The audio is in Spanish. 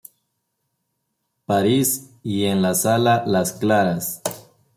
París y en la Sala Las Claras.